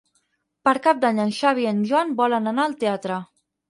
Per Cap d'Any en Xavi i en Joan volen anar al teatre.